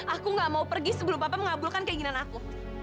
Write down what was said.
aku gak mau pergi sebelum bapak mengabulkan keinginan aku